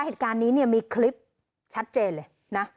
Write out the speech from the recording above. เหตุการณ์นี้เนี่ยมีคลิปชัดเจนเลยนะ